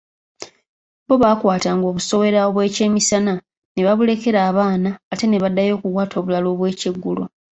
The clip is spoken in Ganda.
Bo baakwatanga obusowera obwekyemisana ne babulekera abaana ate ne baddayo okukwata obulala obw’ekyeggulo.